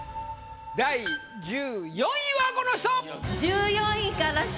第１４位はこの人！